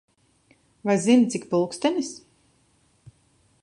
Vai zini, cik pulkstenis?